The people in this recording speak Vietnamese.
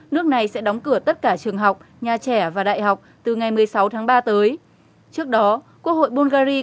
nước này sẽ đóng cửa tất cả trường học nhà trẻ và đại học từ ngày một mươi sáu tháng ba tới